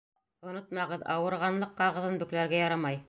Онотмағыҙ: ауырығанлыҡ ҡағыҙын бөкләргә ярамай!